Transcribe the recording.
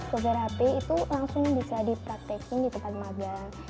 soft hp itu langsung bisa dipraktekin di tempat magang